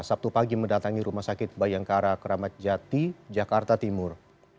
sabtu pagi mendatangi rumah sakit bayangkara keramat jati jakarta timur